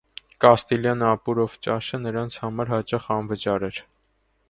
Կաստիլյան ապուրով ճաշը նրանց համար հաճախ անվճար էր։